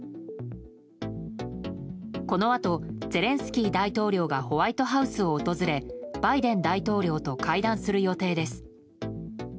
このあと、ゼレンスキー大統領がホワイトハウスを訪れバイデン大統領と会談する予定です。